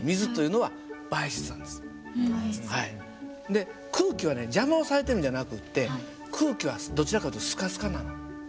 で空気は邪魔をされているんじゃなくて空気はどちらかというとスカスカなの。